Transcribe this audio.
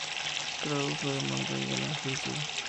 Kraus lo demandó y ganó el juicio.